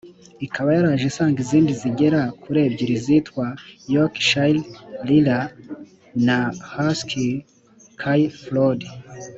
ikaba yaraje isanga izindi zigera kuri ebyiri zitwa yorkshire Lila na husky Kai Floyd